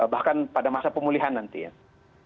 bahkan pada masa pemulihan nanti ya